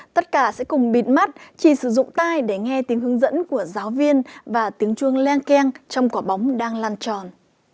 tất cả sẽ cùng bịt mắt chỉ sử dụng tai để nghe tiếng hướng dẫn của giáo viên và tiếng chuông len keng trong quả bóng đang lan tròn